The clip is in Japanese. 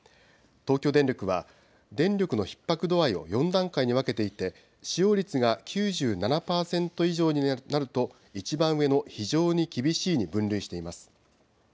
東京電力は、電力のひっ迫度合いを４段階に分けていて、使用率が９７％以上になると、一番上の非常に厳しいに分類しています。